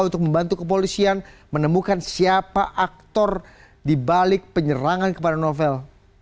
untuk membantu kepolisian menemukan siapa aktor dibalik penyerangan kepada novel